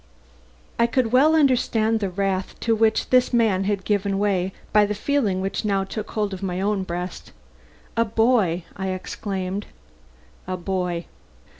I could well understand the wrath to which this man had given way, by the feeling which now took hold of my own breast. "A boy!" I exclaimed. "A boy."